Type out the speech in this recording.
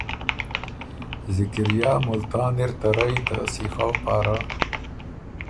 ذکریا ملتانی ر ته رئ ته سیخؤ پاره